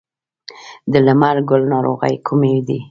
د لمر ګل ناروغۍ کومې دي؟